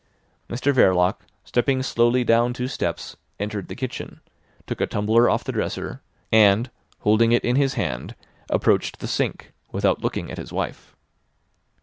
Mr Verloc, stepping slowly down two steps, entered the kitchen, took a tumbler off the dresser, and holding it in his hand, approached the sink, without looking at his wife.